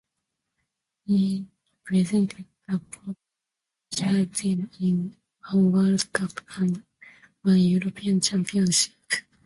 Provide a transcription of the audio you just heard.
He represented the Portuguese national team in one World Cup and one European Championship.